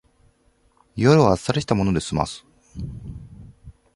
夜はあっさりしたもので済ます